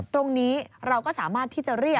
ตรงนี้เราก็สามารถที่จะเรียก